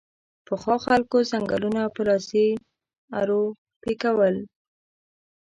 پخوا خلکو ځنګلونه په لاسي ارو پیکول